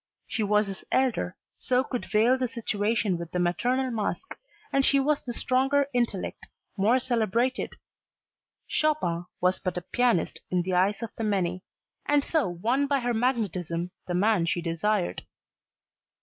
She was his elder, so could veil the situation with the maternal mask, and she was the stronger intellect, more celebrated Chopin was but a pianist in the eyes of the many and so won by her magnetism the man she desired.